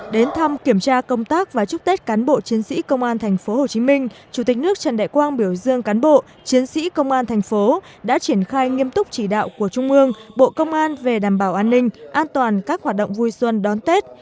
đến thăm kiểm tra công tác và chúc tết cán bộ chiến sĩ công an tp hcm chủ tịch nước trần đại quang biểu dương cán bộ chiến sĩ công an thành phố đã triển khai nghiêm túc chỉ đạo của trung ương bộ công an về đảm bảo an ninh an toàn các hoạt động vui xuân đón tết